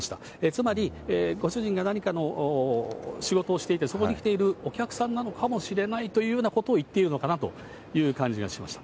つまり、ご主人が何かの仕事をしていて、そこに来ているお客さんなのかもしれないというようなことを言っているのかなという感じがしました。